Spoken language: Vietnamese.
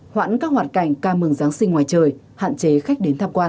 hoãn các hoạt cảnh ca mừng giáng sinh ngoài trời hạn chế khách đến tham quan